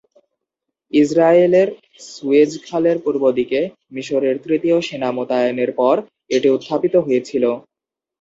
ইসরাইলের সুয়েজ খালের পূর্বদিকে মিসরের তৃতীয় সেনা মোতায়েনের পর এটি উত্থাপিত হয়েছিল।